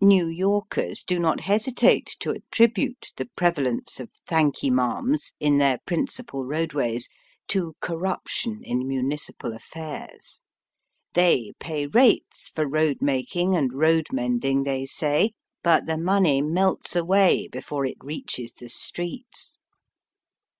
New Yorkers do not hesitate to attribute the pre valence of ^^ Thank 'ee marms " in their principal roadways to corruption in municipal affairs. They pay rates for road making and road mending, they say, but the money melts away before it reaches the streets.